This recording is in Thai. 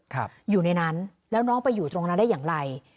อยู่ในนั้นแล้วน้องไปอยู่ตรงนั้นได้อย่างไร